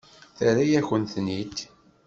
Terra-yakent-ten-id.